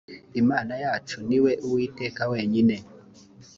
imana yacu ni we uwiteka wenyine